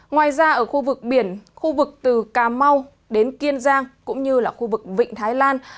ngoài ra ở khu vực biển khu vực từ cà mau đến kiên giang cũng như là khu vực vịnh thái lan